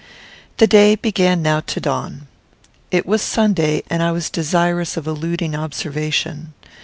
The day began now to dawn. It was Sunday, and I was desirous of eluding observation.